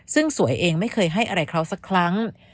ซึ่งสวยเองไม่เคยให้อะไรเขาสักครั้ง